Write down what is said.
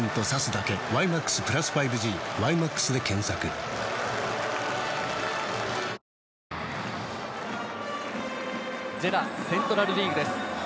ぷはーっＪＥＲＡセントラルリーグです。